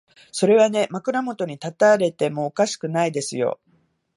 それはね、枕元に立たれてもおかしくないですよ。